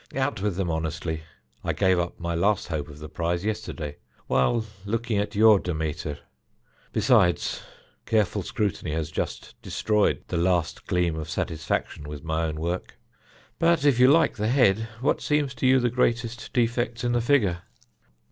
Out with them honestly. I gave up my last hope of the prize yesterday while looking at your Demeter. Besides, careful scrutiny has just destroyed the last gleam of satisfaction with my own work. But if you like the head, what seem to you the greatest defects in the figure?"